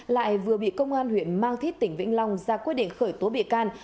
lại vừa bị công an huyện mang thít tỉnh vĩnh long ra quyết định khởi tố bị can